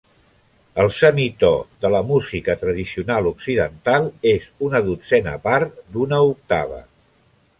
El semitò de la música tradicional occidental és una dotzena part d'una octava.